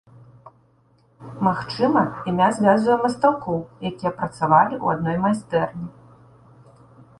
Магчыма, імя звязвае мастакоў, якія працавалі ў адной майстэрні.